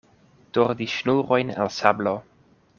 Tordi ŝnurojn el sablo.